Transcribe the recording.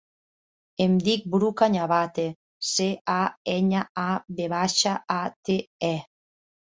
Em dic Bru Cañavate: ce, a, enya, a, ve baixa, a, te, e.